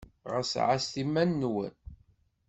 Ɣas ɛasset iman-nwen!